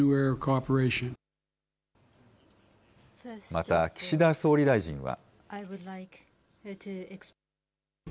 また岸田総理大臣は。